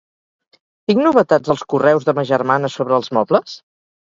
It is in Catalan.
Tinc novetats als correus de ma germana sobre els mobles?